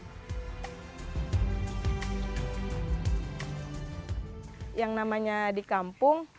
kami berkumpul dengan pemerintah setiap hari untuk memperbaiki kemampuan pemerintahan